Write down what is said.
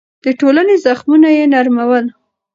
د ټولنې زخمونه يې نرمول.